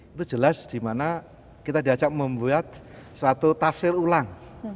itu jelas dimana kita diajak membuat suatu tafsir ulang